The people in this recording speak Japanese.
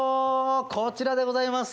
こちらでございます。